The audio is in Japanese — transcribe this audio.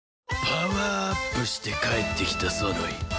パワーアップして帰ってきたソノイ